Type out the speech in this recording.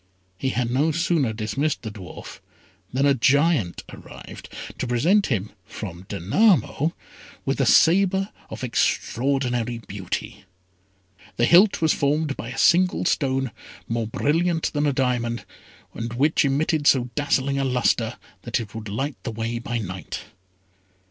He had no sooner dismissed the dwarf than a giant arrived to present him, from Danamo, with a sabre of extraordinary beauty. The hilt was formed by a single stone, more brilliant than a diamond, and which emitted so dazzling a lustre that it would light the way by night.